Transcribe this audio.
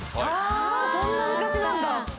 あそんな昔なんだ。